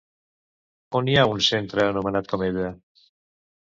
On hi ha un centre anomenat com ella?